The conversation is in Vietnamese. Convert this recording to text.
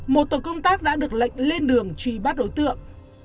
một tổ công tác đã được lệnh lên đường truy bắt đối tượng